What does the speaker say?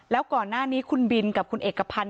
แล้วก่อนหน้านี้คุณบินกับคุณเอกพันธ